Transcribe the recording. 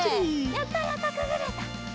やったやったくぐれた！